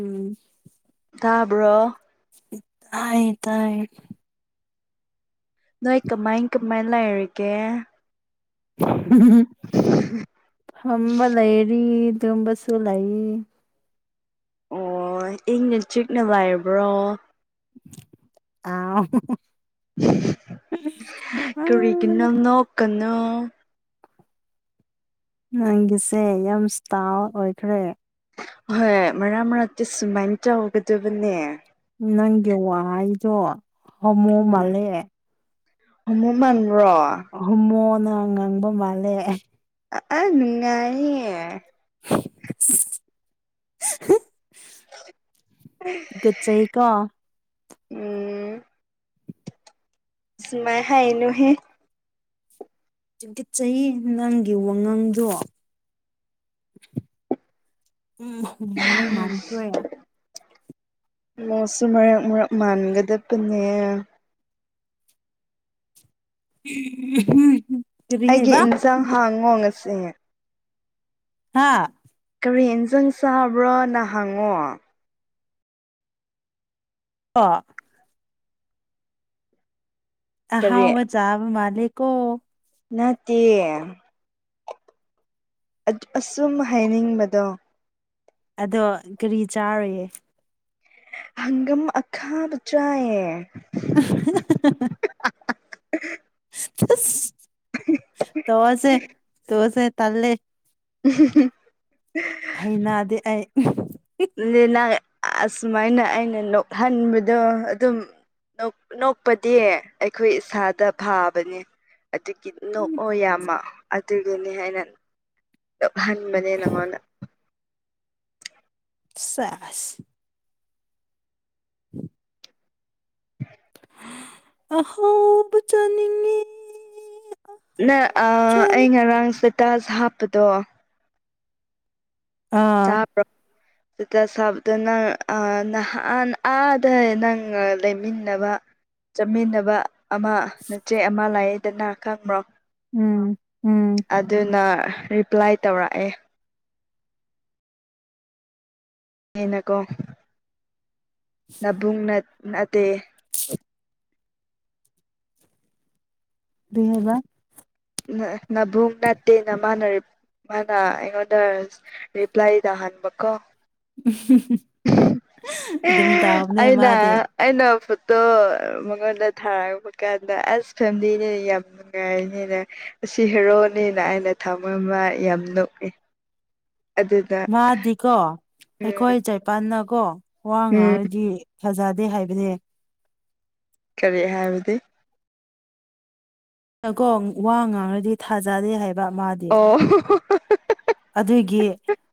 ꯎꯝ ꯇꯥꯕ꯭ꯔꯣ ꯇꯥꯏ ꯇꯥꯏ ꯅꯣꯏ ꯀꯃꯥꯏ ꯀꯃꯥꯏꯅ ꯂꯩꯔꯤꯒꯦ ꯐꯝꯃ ꯂꯩꯔꯤ ꯇꯨꯝꯃꯁꯨ ꯂꯩꯥꯌꯦ ꯑꯣ ꯏꯪꯅ ꯆꯤꯛꯅ ꯂꯩꯕ꯭ꯔꯣ ꯑꯥꯎ ꯀꯔꯤꯒꯅꯣ ꯅꯣꯛꯀꯅꯣ ꯅꯪꯒꯤꯁꯦ ꯌꯥꯝ ꯏꯁꯇꯥꯏꯜ ꯑꯣꯏꯈ꯭ꯔꯦ ꯍꯣꯏ ꯃꯔꯛ ꯃꯔꯛꯇ ꯁꯨꯃꯥꯏꯅ ꯇꯧꯒꯗꯕꯅꯦ ꯅꯪꯒꯤ ꯋꯥꯍꯩꯗꯣ ꯍꯣꯃꯣ ꯎꯝ ꯃꯥꯜꯂꯦ ꯍꯣꯃꯣ ꯃꯥꯟꯕ ꯍꯣꯃꯣꯅ ꯉꯥꯡꯕ ꯃꯥꯜꯂꯦ ꯑ ꯅꯨꯡꯉꯥꯏꯌꯦ [inaudible] ꯇꯨꯒꯠꯆꯩꯀꯣ ꯎꯝ ꯁꯨꯃꯥꯏ ꯍꯥꯏꯅꯨꯍꯦ ꯇꯨꯒꯠꯆꯩꯌꯦ ꯅꯪꯒꯤ ꯋꯥꯉꯪꯡꯗꯣ ꯎꯝ ꯍꯣꯃꯣ ꯃꯥꯟꯕꯩ ꯍꯣꯃꯣꯁꯨ ꯃꯔꯛ ꯃꯔꯛ ꯃꯥꯟꯒꯗꯅꯦ ꯎꯝ ꯑꯩꯒꯤ ꯏꯟꯁꯥꯡ ꯍꯪꯉꯣ ꯉꯁꯤ ꯍꯥꯥ ꯀꯔꯤ ꯏꯟꯖꯥꯡ ꯆꯥꯕ꯭ꯔꯣꯅꯥ ꯍꯪꯉꯣ ꯑ ꯀꯔꯤ ꯑꯍꯥꯎꯕ ꯆꯥꯕ ꯃꯥꯂꯦꯀꯣ ꯅꯠꯇꯦ ꯑꯁꯨꯝ ꯍꯥꯏꯅꯤꯡꯕꯗꯣ ꯑꯗꯣ ꯀꯔꯤ ꯆꯥꯔꯨꯏꯌꯦ ꯍꯪꯒꯝ ꯑꯈꯥꯕ ꯆꯥꯥꯌꯦ [inaudible] [inaudible] ꯑꯁ ꯇꯣꯛꯑꯖꯦ ꯇꯣꯛꯑꯖꯦ ꯇꯜꯂꯦ [inaudible] ꯍꯩꯅꯗꯦ ꯑꯩ ꯑꯗꯨꯗꯤ ꯅꯪ ꯑꯁꯨꯃꯥꯏꯅ ꯑꯩꯅ ꯅꯣꯛꯍꯟꯕꯗꯣ ꯑꯗꯨꯝ ꯅꯣꯛꯄꯗꯤ ꯑꯩꯈꯣꯏ ꯏꯁꯥꯗ ꯐꯥꯕꯅꯦ ꯑꯗꯨꯒꯤ ꯎꯝ, ꯅꯣꯛꯑꯣ ꯌꯥꯝꯃ ꯑꯗꯨꯒꯤꯅꯤ ꯑꯩꯅ [inaudible] ꯍꯟꯕꯅꯦ ꯅꯪꯉꯣꯟꯗ ꯁꯦꯁ [inaudible] ꯑꯍꯥꯎꯕ ꯆꯥꯅꯤꯡꯉꯤ ꯅꯥ ꯑꯍꯥꯎꯕ ꯑꯥ ꯑꯩ ꯆꯥꯅꯤꯡꯉꯤ ꯉꯔꯥꯡ ꯁ꯭ꯇꯦꯇꯁ ꯍꯥꯞꯄꯗꯣ ꯑꯥ ꯁ꯭ꯇꯦꯇꯁ ꯍꯥꯞꯄꯗ ꯅꯪ ꯑꯥ ꯅꯍꯥꯟ ꯑꯥꯗ ꯅꯪ ꯂꯩꯃꯤꯟꯅꯕ ꯆꯥꯃꯤꯟꯅꯕ ꯑꯃ ꯅꯆꯦ ꯑꯃ ꯂꯩꯌꯦꯗꯅ ꯈꯪꯕ꯭ꯔꯣ ꯎꯝ ꯎꯝ ꯑꯗꯨꯅ ꯔꯤꯄ꯭ꯂꯥꯏ ꯇꯧꯔꯛꯑꯦ ꯌꯦꯅꯀꯣ ꯅꯕꯨꯡ ꯅꯠꯇꯦ [unintelligible] ꯀ꯭ꯔꯤ ꯍꯥꯏꯕ ꯅꯕꯨꯡ ꯅꯠꯇꯦ ꯅ ꯃꯥꯅ ꯔꯤ ꯃꯥꯅ ꯑꯩꯉꯣꯟꯗ ꯔꯤꯄ꯭ꯂꯥꯏ ꯇꯥꯍꯟꯕꯀꯣ ꯑꯗꯨꯝ ꯇꯥꯎꯅꯦ ꯃꯥꯗꯤ ꯇꯣ ꯃꯉꯣꯟꯗ ꯊꯥꯔꯛꯄ ꯀꯥꯟꯗ ꯑꯁ ꯐꯦꯃꯤꯂꯤꯅꯦ ꯌꯥꯝ ꯅꯨꯡꯉꯥꯏꯔꯤꯅꯦꯅ ꯑꯁꯤ ꯍꯦꯔꯣꯅꯤꯅ ꯑꯩꯅ ꯊꯃ ꯑꯃ ꯌꯥꯝ ꯅꯣꯛꯏ ꯃꯥꯗꯤꯀꯣ ꯎꯝ ꯑꯩꯈꯣꯏ ꯆꯥꯏꯄꯟꯅꯀꯣ ꯋꯥ ꯎꯝ ꯉꯥꯔꯗꯤ ꯐꯖꯗꯦ ꯍꯥꯏꯕꯅꯦ ꯀꯔꯤ ꯍꯥꯏꯕꯗꯤ ꯀꯣ ꯋꯥ ꯉꯥꯡꯔꯗꯤ ꯊꯥꯖꯥꯗꯦ ꯍꯥꯏꯕ ꯃꯥꯗꯤ ꯑꯣ ꯑꯗꯨꯒꯤ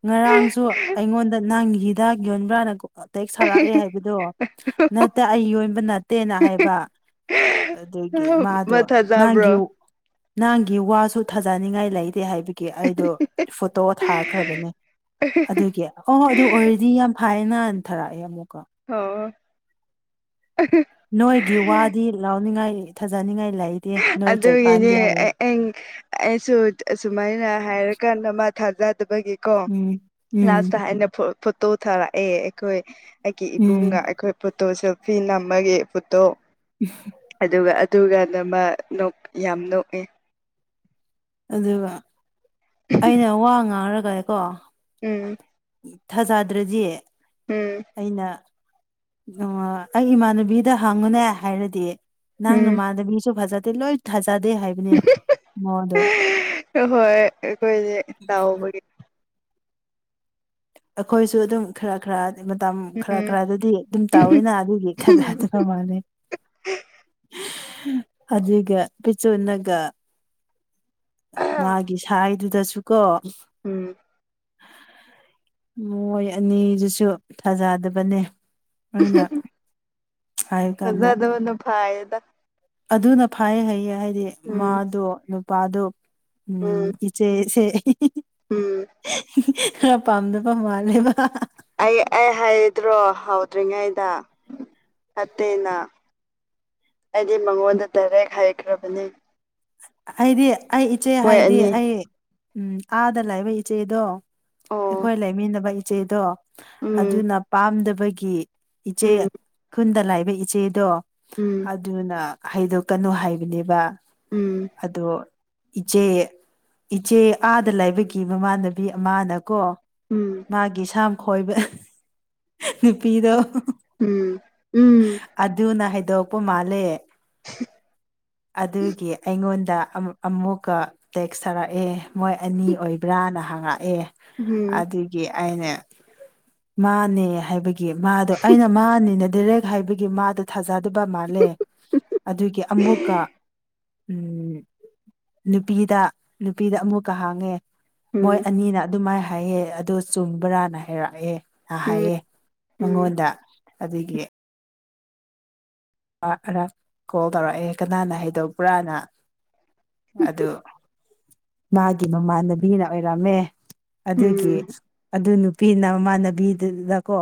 ꯉꯔꯥꯡꯁꯨ ꯑꯩꯉꯣꯟꯗ ꯅꯪꯒꯤ ꯍꯤꯗꯥꯛ ꯌꯣꯟꯕ꯭ꯔꯥꯅꯀꯣ ꯇꯦꯛꯁ ꯊꯥꯔꯛꯑꯦ ꯍꯥꯏꯕꯗꯣ ꯅꯠꯇ ꯑꯩ ꯌꯣꯟꯕ ꯅꯠꯇꯦꯅ ꯍꯥꯏꯕ ꯑꯗꯨꯗꯒꯤ ꯃ ꯃꯥꯗꯣ ꯅꯪꯒꯤ ꯊꯥꯖꯕ꯭ꯔꯣ ꯅꯪꯒꯤ ꯋꯥꯁꯨ ꯊꯥꯖꯅꯤꯡꯉꯥꯏ ꯂꯩꯇꯦ ꯍꯥꯏꯕꯒꯤ ꯑꯩꯗꯣ ꯐꯣꯇꯣ ꯊꯥꯈ꯭ꯔꯕꯅꯦ ꯑꯗꯨꯒꯤ ꯑꯣꯍꯣꯏ ꯑꯗꯨ ꯑꯣꯏꯔꯗꯤ ꯌꯥꯝ ꯍꯥꯏꯅ ꯍꯟꯊꯔꯛꯑꯦ ꯑꯃꯨꯛ ꯍꯥꯎ ꯅꯣꯏꯒꯤ ꯋꯥꯗꯤ ꯂꯥꯎꯅꯤꯡꯉꯥꯏ ꯊꯥꯖꯅꯤꯡꯉꯥꯏ ꯂꯩꯇꯦ ꯅꯣꯏ ꯑꯗꯨꯒꯤꯅꯤ ꯆꯩꯄꯥꯟꯗꯦ ꯍꯥꯏꯌꯦ ꯑꯩꯁꯨ ꯑꯁꯨꯃꯥꯏꯅ ꯍꯥꯏꯔꯀꯥꯟꯗ ꯃꯥ ꯊꯥꯖ ꯗꯕꯒꯤꯀꯣ ꯎꯝ ꯎꯝ ꯂꯥꯁꯇ ꯍꯥꯏꯅ ꯐꯣꯇꯣ ꯊꯥꯔꯛꯑꯦ ꯑꯩꯈꯣꯏ ꯑꯩꯒꯤ ꯎꯝ ꯏꯕꯨꯡꯒ ꯑꯩꯈꯣꯏ ꯐꯣꯇꯣ ꯁꯦꯜꯐꯤ ꯅꯝꯃꯒꯦ ꯐꯣꯇꯣ ꯑꯗꯨꯒ ꯑꯗꯨꯒ ꯅꯃ ꯌꯥꯝ ꯅꯣꯛ ꯑꯦ ꯑꯗꯨꯒ ꯑꯩꯅ ꯋꯥ ꯉꯥꯡꯔꯒꯀꯣ ꯎꯝ ꯊꯥꯖꯥꯗ꯭ꯔꯗꯤ ꯎꯝ ꯑꯩꯅ ꯑꯣ ꯑꯩ ꯏꯃꯥꯟꯅꯕꯤꯗ ꯍꯪꯉꯨꯅꯦ ꯍꯥꯏꯔꯗꯤ ꯅꯪ ꯎꯝ ꯅꯃꯥꯟꯅꯕꯤꯁꯨ ꯐꯖ ꯂꯣꯏ ꯊꯥꯖꯗꯦ ꯍꯥꯏꯕꯅꯦ ꯃꯣꯗꯣ ꯍꯣꯏ ꯑꯩꯈꯣꯏꯁꯦ ꯂꯥꯛꯕꯒꯤ [unintelligible] ꯑꯩꯈꯣꯏꯁꯨ ꯑꯗꯨꯝ ꯈꯔ ꯈꯔ ꯃꯇꯝ ꯈꯔ ꯎꯝ ꯈꯔꯗꯗꯤ ꯑꯗꯨꯝ ꯇꯧꯋꯤꯅ ꯑꯗꯨꯒꯤ ꯈꯖꯗꯕ ꯃꯥꯜꯂꯦ ꯑꯗꯨꯖꯤꯒ ꯄꯁꯨ ꯏꯟꯅꯒ ꯃꯥꯒꯤ ꯁꯥꯏꯗꯨꯗꯁꯨꯀꯣ ꯎꯝ ꯃꯣꯏ ꯑꯅꯤꯗꯨꯁꯨ ꯐꯖꯗꯕꯅꯦ ꯑꯗꯨꯩꯅ ꯍꯥꯏꯌ ꯀꯗ ꯐꯖꯗꯕꯅ ꯐꯥꯏꯌꯦꯗ ꯑꯗꯨꯅ ꯐꯩ ꯍꯥꯏꯩꯌꯦ ꯍꯥꯏꯗꯤ ꯎꯝ ꯃꯥꯗꯣ ꯅꯨꯄꯥꯗꯣ ꯎꯝ ꯏꯆꯦꯦ ꯎꯝ ꯈꯔ ꯄꯥꯝꯗꯕ ꯃꯥꯜꯂꯦꯕ ꯑꯩ ꯑꯩ ꯍꯥꯏꯗ꯭ꯔꯣ ꯍꯥꯎꯗ꯭ꯔꯤꯉꯩꯗ ꯑꯠꯇꯦꯅ ꯑꯩꯗꯤ ꯃꯉꯣꯟꯗ ꯇꯔꯦꯛ ꯍꯥꯏꯩꯈ꯭ꯔꯕꯅꯤ ꯑꯩꯗꯤ ꯑꯩ ꯏꯆꯦ ꯍꯥꯏꯗꯤ ꯑꯅꯤ ꯑꯩ ꯎꯝ ꯑꯥꯗ ꯂꯥꯛꯏꯕ ꯏꯆꯦꯗꯣ ꯑꯣ ꯑꯩꯈꯣꯏ ꯂꯩꯃꯤꯟꯅꯕ ꯏꯆꯦꯗꯣ ꯎꯝ ꯑꯗꯨꯅ ꯄꯥꯝꯗꯕꯒꯤ ꯏꯆꯦ ꯎꯝ ꯈꯨꯟꯗ ꯂꯥꯛꯏꯕ ꯏꯆꯦꯗꯣ ꯎꯝ ꯎꯝ ꯑꯗꯨꯅ ꯍꯩꯗꯣ ꯀꯩꯅꯨ ꯍꯥꯏꯕꯅꯦꯕ ꯎꯝ ꯑꯗꯣ ꯏꯆꯦ ꯏꯆꯦ ꯑꯥꯗ ꯂꯥꯏꯕꯒꯤ ꯃꯃꯥꯟꯅꯕꯤ ꯑꯃꯅ ꯀꯣ ꯎꯝ ꯃꯥꯒꯤ ꯏꯁ ꯈꯣꯏꯕ ꯅꯨꯄꯤꯗꯣ ꯎꯝ ꯎꯝ ꯎꯝ ꯑꯗꯨꯅ ꯍꯥꯏꯗꯣꯔꯄ ꯃꯥꯜꯂꯦ ꯑꯗ ꯒꯤ ꯗ ꯑꯃꯨꯛꯀ ꯇꯦꯛꯁ ꯊꯥꯔꯛꯑꯦ ꯃꯣꯏ ꯑꯅꯤ ꯑꯣꯏꯕ꯭ꯔꯥꯅ ꯍꯥꯡꯉꯛꯑꯦ ꯎꯝ ꯎꯝ ꯑꯗꯨꯒꯤ ꯑꯅꯦ ꯃꯥꯅꯦ ꯍꯥꯏꯕꯒꯤ ꯃꯥꯗꯣ ꯑꯩꯅ ꯃꯥꯅꯤꯅ ꯗꯤꯔꯦꯛ ꯍꯥꯏꯕꯒꯤ ꯃꯥꯗꯣ ꯊꯥꯖꯗꯕ ꯃꯥꯜꯂꯦ ꯂ ꯑꯗꯨꯒꯤ ꯑꯃꯨꯛꯀ ꯎꯝ ꯅꯨꯄꯤꯗ ꯅꯨꯄꯤꯗ ꯑꯃꯨꯛꯀ ꯍꯥꯡꯉꯦ ꯃꯣꯏ ꯑꯅꯤꯅ ꯑꯗꯨꯃꯥꯏꯅ ꯍꯥꯏꯌꯦꯦ ꯑꯗꯣ ꯆꯨꯝꯕ꯭ꯔꯥꯅ ꯍꯥꯏꯔꯛꯑꯦ ꯑ ꯎꯝ ꯍꯥꯏꯌꯦꯦ ꯃꯉꯣꯟꯗ ꯑꯗꯨꯒꯤ ꯑꯔꯥꯡ ꯀꯣꯜ ꯇꯧꯔꯛꯑꯦ ꯀꯅꯥꯅ ꯍꯥꯏꯩꯗꯧꯕ꯭ꯔꯥꯅ ꯑꯗꯨ ꯃꯥꯒꯤ ꯃꯃꯥꯟꯅꯕꯤꯅ ꯑꯣꯏꯔꯝꯃꯦ ꯑꯗꯨꯒꯤ ꯑꯗꯨ ꯅꯨꯄꯤꯅ ꯃꯃꯥꯟꯅꯕꯤꯗꯨꯗꯀꯣ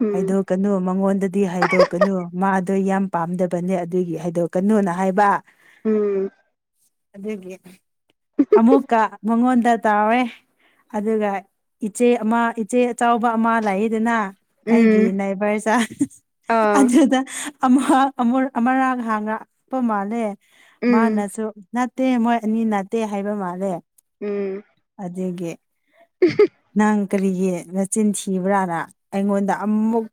ꯎꯝ ꯍꯥꯏꯗꯣꯛꯀꯅꯨ ꯃꯉꯣꯟꯗꯗꯤ ꯍꯥꯏꯗꯣꯛꯀꯅꯨ ꯃꯥꯗꯤ ꯑ ꯌꯥꯝ ꯄꯥꯝꯗꯕꯅꯦ ꯑꯗꯨꯒꯤ ꯍꯥꯏꯗꯣ ꯀꯩꯅꯣꯅ ꯍꯥꯏꯕ ꯎꯝ ꯗꯒꯤ ꯑꯃꯣꯀ ꯃꯉꯋꯥꯟꯗ ꯇꯥꯎꯋꯦ ꯑꯗꯨꯒ ꯏꯆꯦ ꯑꯃ ꯏꯆꯦ ꯑꯆꯥꯎꯕ ꯑꯃ ꯂꯥꯛꯏꯗꯅ ꯑꯩꯒꯤ ꯎꯝ ꯅꯥꯏꯕꯔꯁ ꯑꯥ ꯑꯗꯨꯗ ꯑꯃꯥꯡ ꯍꯥꯡꯅ ꯑꯄ ꯃꯥꯜꯂꯦ ꯎꯝ ꯃꯥꯅꯁꯨ ꯅꯠꯇꯦ ꯃꯣꯏ ꯑꯅꯤ ꯅꯅꯥꯠꯇꯦ ꯍꯥꯏꯕ ꯃꯥꯜꯂꯦ ꯎꯝ ꯑ ꯑꯗꯨꯒꯤ ꯅꯪ ꯀꯔꯤꯒꯤ ꯃꯆꯤꯟ ꯊꯤꯕ꯭ꯔꯥꯅ ꯑꯩꯉꯣꯟꯗ ꯑꯃꯨꯛ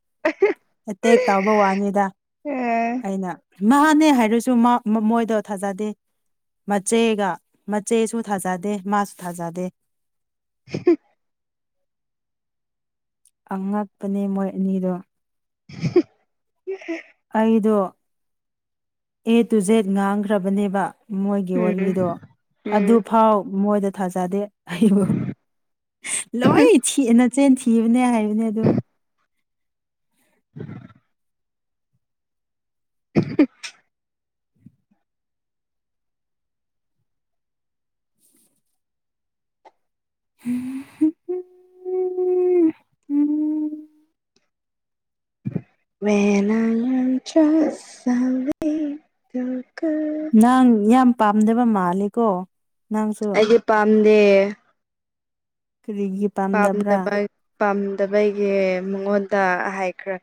ꯑꯦ ꯇꯦꯛꯦꯛ ꯇꯥꯎꯕ ꯋꯥꯅꯤꯗ ꯑꯩꯅ ꯃꯥꯅꯦ ꯍꯥꯏꯔꯁꯨ ꯃꯣꯏꯗꯣ ꯊꯥꯖꯗꯦ ꯃꯆꯦꯒ ꯃꯆꯦꯁꯨ ꯊꯥꯖꯗꯦ ꯃꯥꯁꯨ ꯊꯥꯖꯗꯦ [unintelligible] [inaudible] ꯑꯉꯛꯄꯅꯦ ꯃꯣꯏ ꯑꯅꯤꯗꯣ ꯎꯝꯝ [inaudible] ꯑꯩꯗꯣ ꯑꯦ ꯇꯨ ꯖꯦꯠ ꯉꯥꯡꯈ꯭ꯔꯕꯅꯦꯕ ꯃꯣꯏꯒꯤ ꯎꯝ ꯋꯥꯔꯤꯗꯣ ꯑꯗꯨ ꯎꯝ ꯐꯥꯎ ꯃꯣꯏꯗ ꯊꯥꯖꯗꯦ ꯑꯩꯕꯨ ꯂꯣꯏ ꯊꯤꯅꯆꯦꯟ ꯊꯤꯕꯅꯦ ꯍꯥꯏꯕꯅꯦ ꯑꯗꯨ ꯎ [inaudible] [unintelligible] [inaudible] ꯎ [unintelligible] [inaudible] ꯦ [inaudible] ꯅꯥ ꯌꯥꯝ ꯆ ꯁꯗꯦ ꯅꯪ ꯌꯥꯝ ꯄꯥꯝꯗꯕ ꯃꯥꯂꯦꯀꯣ ꯅꯪꯁꯨ ꯗꯦ ꯀꯔꯤꯒꯤ ꯄꯥꯝꯗꯕ꯭ꯔꯥ ꯄꯥꯝꯗꯕꯒꯤ ꯃꯉꯣꯟꯗ ꯍꯥꯏꯈ꯭ꯔꯦ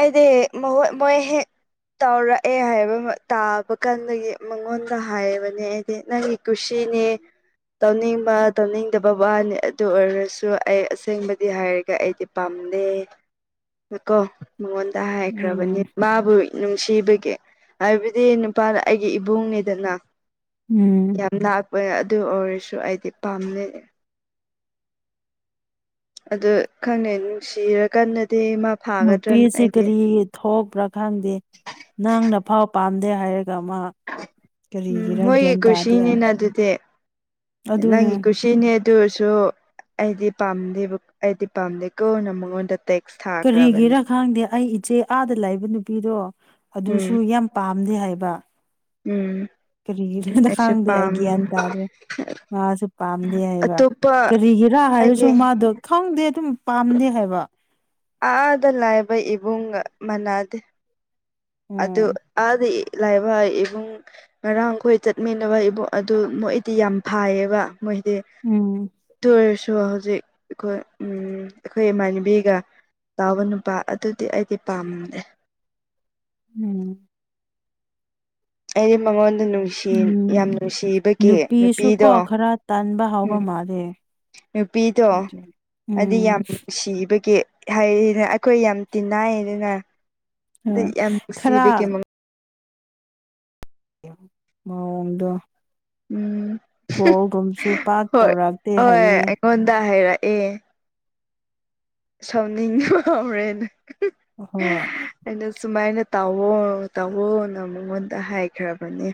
ꯑꯗꯦ ꯃ ꯃꯦ ꯇꯧꯔꯛꯑꯦ ꯍꯥꯏꯕ ꯇꯥꯕ ꯀꯥꯟꯗꯒꯤ ꯃꯉꯣꯟꯗ ꯍꯥꯏꯕꯅꯦ ꯑꯩꯗꯤ ꯅꯪꯒꯤ ꯀꯨꯁꯤ ꯁꯤꯅꯤ ꯇꯧꯅꯤꯡꯕ ꯇꯧꯅꯤꯡꯗꯕ ꯋꯥꯅꯤ ꯑꯗꯨ ꯑꯣꯏꯔꯁꯨ ꯑꯩ ꯑꯁꯦꯡꯕꯗꯤ ꯍꯥꯏꯔꯒ ꯑꯩꯗꯤ ꯄꯥꯝꯅꯩ ꯀꯣ ꯃꯉꯣꯟꯗ ꯎꯝ ꯍꯥꯏꯈ꯭ꯔꯕꯅꯤ ꯃꯥꯕꯨ ꯅꯨꯡꯁꯤꯕꯒꯤ ꯍꯥꯏꯕꯗꯤ ꯅꯨꯄꯥꯅ ꯑꯩꯒꯤ ꯏꯕꯨꯡꯅꯤꯗꯅ ꯎꯝ ꯂꯅꯥꯥꯛꯄ ꯑꯗꯨ ꯑꯣꯏꯔꯁꯨ ꯑꯩꯗꯤ ꯄꯥꯝꯅ ꯑ ꯈꯪꯅꯩ ꯅꯨꯡꯁꯤꯔ ꯀꯥꯟꯟꯅꯗꯤ ꯅꯨꯄꯤꯁꯤ ꯀꯔꯤ ꯊꯣꯛꯄ꯭ꯔꯥ ꯈꯪꯗꯦ ꯅꯪꯅ ꯐꯥꯎ ꯄꯥꯝꯗꯦ ꯍꯥꯏꯔꯒ ꯃꯥ ꯎꯝ ꯀꯔꯤꯒꯤꯔ ꯍꯣꯏꯒꯤ ꯒ꯭ꯌꯥꯟ ꯇꯥꯗꯦ ꯑꯩ ꯀꯨꯁꯤꯅꯤꯅ ꯑꯗꯨꯗꯤ ꯑꯗꯨꯅꯦ ꯅꯪ ꯈꯨꯁꯤꯅꯦ ꯍꯥꯏ ꯑꯗꯨꯁꯨ ꯑꯩꯗꯤ ꯄꯥꯝꯗꯦ ꯑꯩꯗꯤ ꯄꯥꯝꯗꯦꯀꯣꯅ ꯃꯉꯣꯟꯗ ꯇꯦꯛꯁ ꯊꯥꯈ꯭ꯔꯕꯅꯦ ꯀꯔꯤꯒꯤꯔꯥ ꯈꯪꯗꯦ ꯑꯩ ꯆꯦ ꯑꯥꯗ ꯂꯩꯕ ꯅꯨꯄꯤꯗꯣ ꯑꯗꯨꯁꯨ ꯎꯝ ꯌꯥꯝ ꯄꯥꯝꯗꯦ ꯍꯥꯏꯌꯦꯕꯥ ꯎꯝ ꯀꯔꯤꯗ ꯑꯩꯁꯨ ꯈꯥꯡꯗꯦ ꯍꯥꯏꯗꯤ ꯄꯥꯝ ꯒꯌ꯭ꯥꯟ ꯇꯗꯔ꯭ꯦ ꯃꯥꯁꯨ ꯄꯥꯝꯗꯦ ꯍꯥꯏꯕ ꯑꯇꯣꯞꯄ ꯀꯔꯤꯒꯤꯔꯥ ꯍꯥꯏꯔꯁꯨ ꯑꯩꯒꯤ ꯃꯥꯗꯣ ꯈꯪꯗꯦ ꯑꯗꯨꯝ ꯄꯥꯝꯗꯦ ꯍꯥꯏꯕ ꯑꯥ ꯑꯥꯗ ꯂꯥꯏꯕ ꯏꯕꯨꯡꯒꯥ ꯃꯅꯥꯗꯦ ꯑꯗꯨ ꯎꯝ ꯑꯗꯤ ꯂꯥꯏꯕ ꯏꯕꯨꯡ ꯉꯔꯥꯡꯈꯣꯏ ꯆꯠꯃꯤꯟꯅꯕ ꯏꯕꯨꯡ ꯑꯗꯨ ꯃꯣꯏꯗꯤ ꯌꯥꯝ ꯐꯥꯏꯌꯦꯕ ꯃꯣꯏꯗꯦ ꯎꯝ ꯇꯣꯏꯔꯁꯨ ꯁꯨ ꯍꯧꯖꯤꯛ ꯑꯩꯈꯣꯏ ꯑꯩꯈꯣꯏ ꯏꯃꯥꯟꯅꯕꯤꯒ ꯇꯥꯎꯕ ꯅꯨꯄꯥ ꯑꯗꯨꯗꯤ ꯑꯩꯗꯤ ꯄꯥꯝꯗꯦ ꯎꯝ ꯑꯩꯗꯤ ꯃꯉꯣꯟꯗꯥ ꯅꯨꯡꯁꯤ ꯎꯝ ꯌꯥꯝ ꯅꯨꯡꯁꯤꯕꯒꯤ ꯅꯨꯄꯤꯁꯨ ꯅꯨꯄꯤꯗꯣ ꯀꯣ ꯈꯔ ꯇꯟꯕ ꯍꯥꯎꯕ ꯎꯝ ꯃꯥꯜꯂꯦ ꯅꯨꯄꯤꯗꯣ ꯍꯥꯏꯗꯤ ꯌꯥꯝ ꯎꯝ ꯅꯨꯡꯁꯤꯕꯒꯤ ꯍꯥꯏ ꯑꯩꯈꯣꯏ ꯌꯥꯝ ꯇꯤꯅꯥꯏ ꯑꯗꯨꯅ ꯑꯗꯨ ꯌꯥꯝ ꯈꯔ ꯅꯨꯡꯁꯤꯕꯒꯤ ꯃꯑꯣꯡꯗꯣ ꯎꯝ ꯀꯣꯜꯒꯨꯝꯕꯁꯨ ꯄꯥꯛ ꯍꯣꯏ ꯇꯧꯔꯛꯇꯦ ꯍꯣꯏ ꯍꯥꯏꯌꯦ ꯑꯩꯉꯣꯟꯗ ꯍꯥꯏꯔꯑꯦ ꯑꯦ ꯁꯥꯎꯅꯤꯡ ꯐꯥꯎꯔꯦꯅ ꯍꯣꯏ ꯑꯩꯅ ꯁꯨꯃꯥꯏꯅ ꯇꯥꯋꯣ ꯇꯥꯑꯣꯅ ꯃꯉꯣꯟꯗ ꯍꯥꯏꯈ꯭ꯔꯕꯅꯦ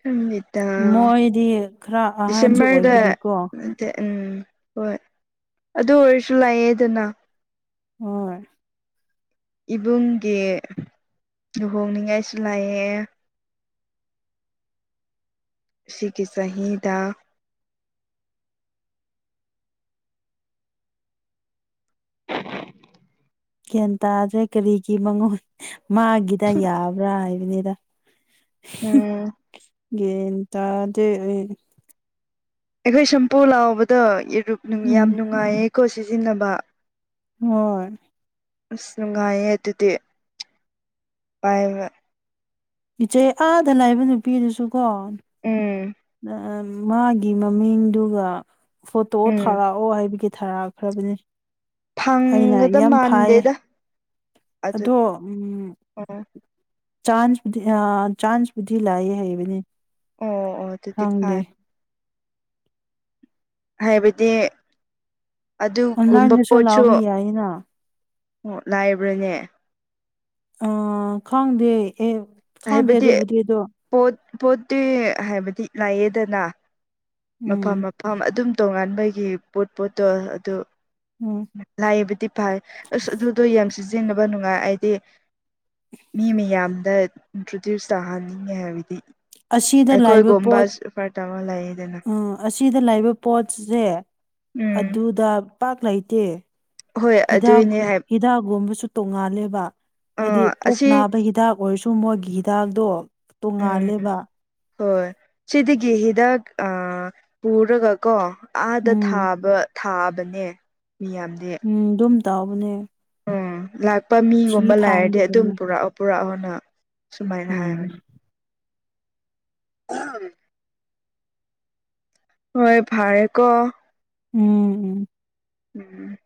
ꯈꯕꯤꯠꯇ ꯃꯣꯏꯗꯤ ꯈꯔ ꯑꯍꯟꯁꯨ ꯗꯤꯁꯝꯕꯔ ꯗ ꯑꯣꯏꯕꯒꯤꯀꯣ ꯅꯠꯇꯦ ꯎꯝ ꯍꯣꯏ ꯑꯗꯨ ꯑꯣꯏꯔꯁꯨ ꯂꯥꯛꯑꯦꯗꯅ ꯍꯣꯏ ꯏꯕꯨꯡꯒꯤ ꯂꯨꯍꯣꯡꯅꯤꯡꯉꯥꯏꯁꯨ ꯂꯥꯛꯑꯦ ꯁꯤꯒꯤ ꯆꯍꯤꯗ ꯒ꯭ꯌꯥꯟ ꯇꯥꯗ꯭ꯔꯦ ꯀꯔꯤꯒꯤ ꯃꯉꯣꯟ ꯃꯥꯒꯤꯗ ꯌꯥꯕ꯭ꯔꯥ ꯍꯥꯏꯕꯅꯤꯗ ꯒ ꯎꯝ ꯒꯌ꯭ꯥꯟ ꯇꯗꯦ ꯑꯩ ꯑꯩꯈꯣꯏ ꯁꯝꯄꯨ ꯂꯥꯎꯕꯗꯔꯛ ꯎꯝ ꯌꯥꯝ ꯅꯨꯡꯉꯥꯏꯌꯦꯀꯣ ꯁꯤꯖꯤꯟꯅꯕ ꯍꯣꯏ ꯅꯨꯡ ꯅꯨꯡꯉꯥꯏꯌꯦ ꯑꯗꯨꯗꯤ ꯄꯥꯏꯕꯥ ꯏꯆꯦ ꯑꯥꯗ ꯂꯩꯕ ꯅꯨꯄꯤꯗꯨꯁꯨ ꯀꯣ ꯎꯝ ꯃꯥꯒꯤ ꯃꯃꯤꯡꯗꯨꯒ ꯐꯣꯇꯣ ꯎꯝ ꯊꯥꯔꯛꯑꯣ ꯍꯥꯏꯕꯤꯒꯦ ꯊꯥꯔꯛꯈ꯭ꯔꯕꯅꯦ ꯑꯩꯅ ꯐꯪꯒꯗ ꯌꯥꯝ ꯐꯥꯏꯌꯦ ꯃꯥꯟꯗꯦꯗ ꯑꯗꯨ ꯑꯗꯣ ꯎꯝ ꯑꯣ ꯆꯥꯟꯁ ꯗꯤ ꯑ ꯆꯥꯟꯁꯕꯨꯗꯤ ꯂꯥꯛꯑꯦ ꯍꯥꯏꯕꯥꯅꯦ ꯑꯣ ꯑꯣ ꯑꯗꯨꯗꯤ ꯐꯥꯏ ꯍꯥꯏꯕꯗꯤ ꯑꯗꯨꯒꯨꯝꯕ ꯑꯣꯟꯂꯥꯏꯟꯗꯁꯨ ꯄꯣꯠꯁꯨ ꯂꯥꯎꯕ ꯌꯥꯏꯌꯦꯅ ꯑꯣ ꯂꯥꯏꯕ꯭ꯔꯥꯅꯦ ꯑꯥ ꯈꯥꯡꯗꯦ ꯑꯦ ꯈꯪꯗꯦ ꯍꯥꯏꯕꯗꯤ ꯑꯗꯨꯕꯨꯗꯤ ꯑꯗꯣ ꯄꯣꯠ ꯄꯣꯠꯇꯤ ꯍꯥꯏꯕꯗꯤ ꯂꯥꯛꯑꯦꯗꯅ ꯎꯝ ꯃꯐꯝ ꯃꯐꯝ ꯑꯗꯨꯝ ꯇꯣꯉꯥꯟꯕꯒꯤ ꯄꯣꯠ ꯄꯣꯠꯇꯣ ꯑꯗꯨ ꯎꯝ ꯂꯥꯛꯑꯕꯗꯤ ꯐꯥꯏ ꯑꯁ ꯑꯗꯨꯗꯣ ꯌꯥꯝ ꯁꯤꯁꯤꯟ ꯁꯤꯖꯤꯟꯅꯕ ꯅꯨꯡꯉꯥꯏ ꯍꯥꯏꯗꯤ ꯃꯤ ꯃꯌꯥꯝꯗ ꯏꯟꯇ꯭ꯔꯣꯗ꯭ꯌꯨꯁ ꯆꯥꯍꯟꯅꯤꯡꯉꯤ ꯍꯥꯏꯕꯗꯤ ꯑꯁꯤꯗ ꯂꯥꯏꯕ ꯑꯩꯈꯣꯏꯒꯨꯝꯕ ꯄꯣꯠ ꯁꯨꯄꯔ ꯇꯥꯋꯔ ꯂꯩꯌꯦꯗꯅ ꯎꯝ ꯑꯁꯤꯗ ꯂꯩꯕ ꯄꯣꯠꯁꯦ ꯎꯝ ꯑꯗꯨꯗ ꯄꯥꯛ ꯂꯩꯇꯦ ꯍꯣꯏ ꯍꯤꯗꯥꯛ ꯑꯗꯨꯏꯅꯦ ꯍꯥꯏ ꯍꯤꯗꯥꯛꯒꯨꯝꯕꯁꯨ ꯇꯣꯡꯉꯥꯜꯂꯦꯕ ꯍꯥꯏꯗꯤ ꯑꯥ ꯄꯨꯛ ꯑꯁꯤ ꯅꯥꯕꯩ ꯍꯤꯗꯥꯛ ꯑꯣꯏꯔꯁꯨ ꯃꯣꯏꯒꯤ ꯍꯤꯗꯥꯛꯗꯣ ꯎꯝ ꯇꯣꯡꯉꯥꯜꯂꯦꯕ ꯍꯣꯏ ꯁꯤꯗꯒꯤ ꯍꯤꯗꯥꯛ ꯑ ꯄꯨꯔꯒ ꯀꯣ ꯑꯥꯗ ꯎꯝ ꯊꯥꯕ ꯊꯥꯕꯅꯦ ꯃꯤꯌꯥꯝꯗꯤ ꯇꯕꯅꯦ ꯎꯝ ꯂꯥꯛꯄ ꯃꯤꯒꯨꯝꯕ ꯂꯥꯏꯔꯗꯤ ꯑꯗꯨꯝ ꯐꯥꯡꯕꯤꯕꯅꯦ ꯄꯨꯔꯛꯑ ꯄꯨꯔꯛꯑꯒꯅ ꯁꯨꯃꯥꯏꯅ ꯎꯝ ꯍꯥꯏꯕꯅꯤ [inaudible] ꯍꯣꯏ ꯐꯔꯦ ꯀꯣ ꯎꯝ ꯎꯝ ꯎꯝ